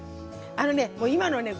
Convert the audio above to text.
あのねもう今のね